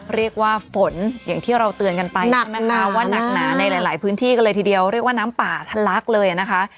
เรียกว่าฝนอย่างที่เราเตือนกันไปนะคะว่านักหนาในหลายพื้นที่กันเลยทีเดียวเรียกว่าน้ำป่าทะลักเลยนะคะ